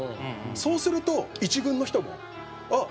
そうすると１軍の人も「あっ！